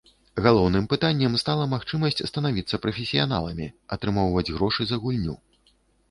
Галоўным пытаннем стала магчымасць станавіцца прафесіяналамі, атрымоўваць грошы за гульню.